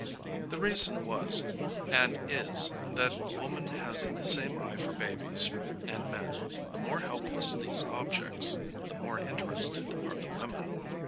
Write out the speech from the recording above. The reason was, and is, that woman has the same eye for babies and men. The more helpless these objects, the more interested are the women.